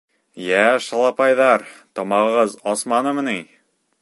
— Йә, шалапайҙар, тамағығыҙ асманымы ни?